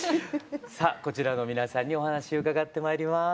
さあこちらの皆さんにお話伺ってまいります。